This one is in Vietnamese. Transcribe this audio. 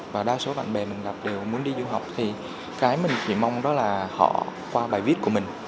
và đa số bạn bè mình gặp đều muốn đi du học thì cái mình chỉ mong đó là họ qua bài viết của mình